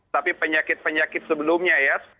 tapi penyakit penyakit sebelumnya ya